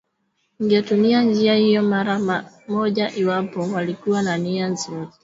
ingetumia njia hiyo mara moja iwapo walikuwa na nia nzuri